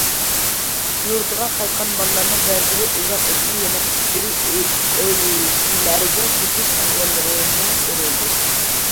يۇرتىغا قايتقان بالىلارنىڭ بەزىلىرى ئۇزاق ئۆتمەي، يەنە ئىچكىرى ئۆلكىلەرگە كېتىش ئەھۋاللىرىمۇ كۆرۈلدى.